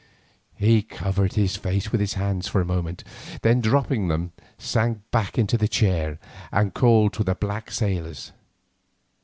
He covered his face with his hands for a moment, then dropping them sank back into the chair and called to the black sailors.